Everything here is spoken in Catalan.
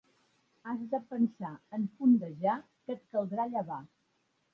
Has de pensar, en fondejar, que et caldrà llevar.